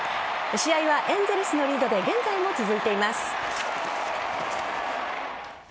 試合はエンゼルスのリードで現在も続いています。